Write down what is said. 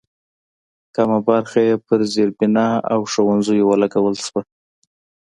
کمه برخه یې پر زېربنا او ښوونځیو ولګول شوه.